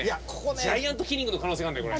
ジャイアントキリングの可能性があるんだよこれ。